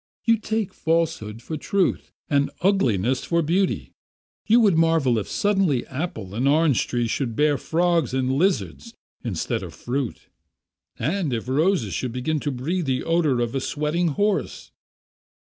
You take falsehood for truth and ugliness for beauty. You would marvel if suddenly apple and orange trees should bear frogs and lizards instead of fruit, and if roses should begin to breathe the odour of a sweating horse.